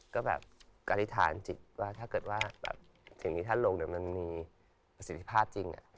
ก็แบบการิทานจิตว่าถ้าเจมส์นี้ถ้าลงแล้วมันมีประสิทธิภาพจริง